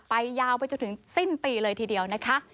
ยาวไปจนถึงสิ้นปีเลยทีเดียวนะคะ